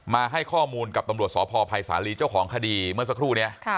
มาให้ข้อมูลกับตำรวจสพภัยสาลีเจ้าของคดีเมื่อสักครู่นี้